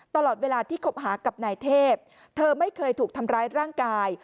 ตลอดเวลาที่คบหากับนายเทพเธอไม่เคยถูกทำร้ายร่างกาย